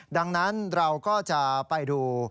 ดังนั้นเราก็จะไปดู